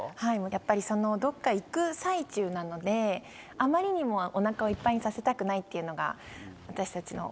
やっぱりどっか行く最中なのであまりにもおなかをいっぱいにさせたくないっていうのが。